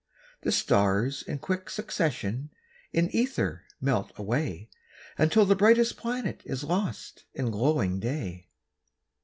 The stars in quick succession in ether melt away, Until the brightest planet is lost in glowing day.